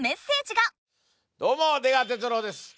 どうも出川哲朗です！